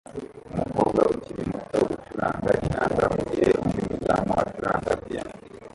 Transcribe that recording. Umukobwa ukiri muto acuranga inanga mugihe undi mudamu acuranga piyano